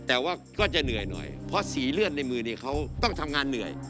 แต่ว่าก็จะเหนื่อยหน่อยเพราะสีเลือดในมือนี้เขาต้องทำงานเหนื่อย